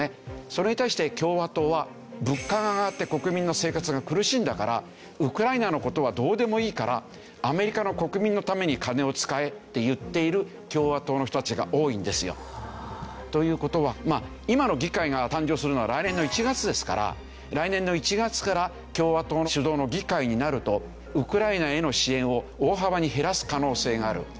それに対して共和党は物価が上がって国民の生活が苦しいんだからウクライナの事はどうでもいいからアメリカの国民のために金を使えって言っている共和党の人たちが多いんですよ。という事はまあ今の議会が誕生するのは来年の１月ですから来年の１月から共和党主導の議会になるとウクライナへの支援を大幅に減らす可能性がある。